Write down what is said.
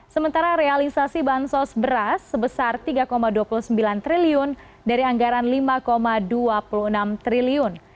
sementara realisasi bansos beras sebesar rp tiga dua puluh sembilan triliun dari anggaran rp lima dua puluh enam triliun